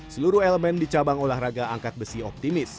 seluruh elemen di cabang olahraga angkat besi optimis